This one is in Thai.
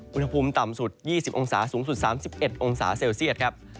อุณหภูมิต่ำสุด๒๐องศาสูงสุด๓๑องศาเซลเซียตครับ